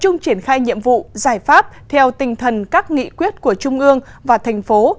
nhiệm vụ giải pháp theo tinh thần các nghị quyết của trung ương và thành phố